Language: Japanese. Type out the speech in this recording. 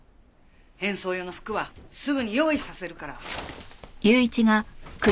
変装用の服はすぐに用意させるから。